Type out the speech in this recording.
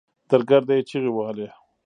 درګرده يې چيغې وهلې.